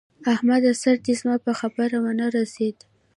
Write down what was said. احمده! سر دې زما په خبره و نه رسېدی!